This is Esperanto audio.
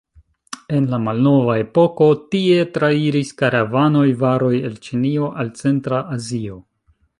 En la malnova epoko, tie trairis karavanoj, varoj el Ĉinio al Centra Azio.